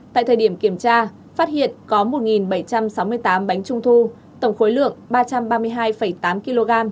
tại thời điểm kiểm tra phát hiện có một bảy trăm sáu mươi tám bánh trung thu tổng khối lượng ba trăm ba mươi hai tám kg